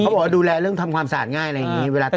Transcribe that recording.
บอกว่าดูแลเรื่องทำความสะอาดง่ายอะไรอย่างนี้